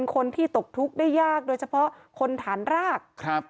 คนที่ตกทุกข์ได้ยากโดยเฉพาะคนฐานราก